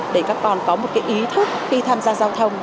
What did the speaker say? để các con có một cái ý thức khi tham gia giao thông